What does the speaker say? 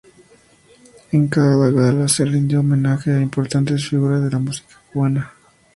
En cada gala se rindió homenaje a importantes figuras de la música cubana.